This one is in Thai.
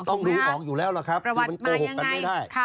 ต้องรู้ออกอยู่แล้วมันโกหกกันไม่ได้